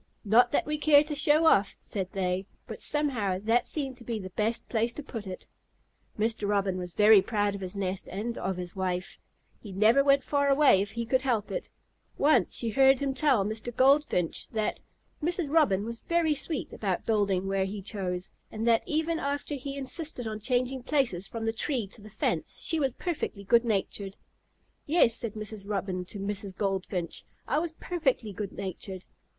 "Not that we care to show off," said they, "but somehow that seemed to be the best place to put it." Mr. Robin was very proud of his nest and of his wife. He never went far away if he could help it. Once she heard him tell Mr. Goldfinch that, "Mrs. Robin was very sweet about building where he chose, and that even after he insisted on changing places from the tree to the fence she was perfectly good natured." "Yes," said Mrs. Robin to Mrs. Goldfinch, "I was perfectly good natured."